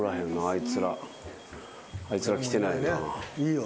あいつら来てないな。